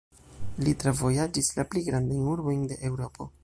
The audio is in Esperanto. Li travojaĝis la pli grandajn urbojn de Eŭropo.